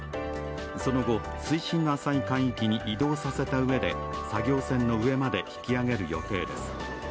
その後、水深が浅い海域に移動させたうえで作業船の上まで引き揚げる予定です。